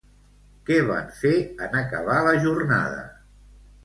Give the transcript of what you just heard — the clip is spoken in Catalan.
Què van fer en acabar la jornada?